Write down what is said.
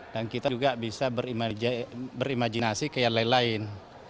dan kita juga bisa berimajinasi kayak lain lain